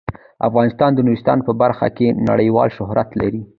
افغانستان د نورستان په برخه کې نړیوال شهرت لري.